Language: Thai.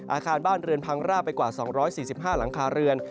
อาคารบ้านเรือนพังราบไปกว่า๒๔๕หลังคาเรือน